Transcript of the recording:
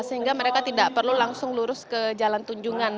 sehingga mereka tidak perlu langsung lurus ke jalan tunjungan